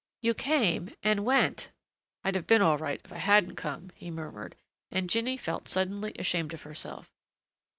"You came and went." "I'd have been all right if I hadn't come," he murmured, and Jinny felt suddenly ashamed of herself.